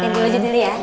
thank you wajah diri